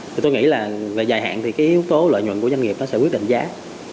thì tôi nghĩ là về dài hạn thì cái yếu tố lợi nhuận của doanh nghiệp nó sẽ quyết định giá